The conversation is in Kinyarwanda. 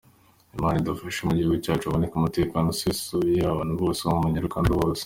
Imana idufashe mu gihugu cyacu haboneke umutekano usesuye ahantu hose no ku banyarwanda bose.